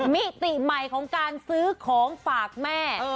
มิติใหม่ของการซื้อของฝากแม่